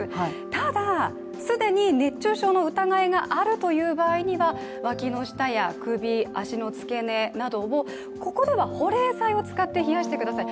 ただ、既に熱中症の疑いがあるという場合には脇の下や首、足の付け根などをここでは保冷剤を使って冷やしてください。